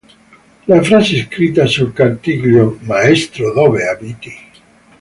La frase scritta sul cartiglio "Maestro dove abiti?